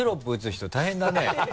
人大変だね。